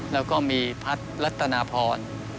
แล้วก็มีพัฒน์รัตนาพร